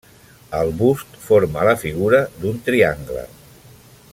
El bust forma la figura d'un triangle.